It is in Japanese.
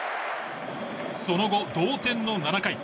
その後、同点の７回。